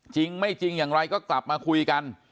จริงไม่จริงอย่างไรก็กลับมาคุยกัน